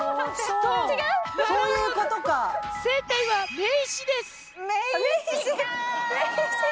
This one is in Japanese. そういうことか名刺か！